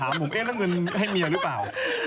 เอ็นหรือเงินให้เมียรึเปล่า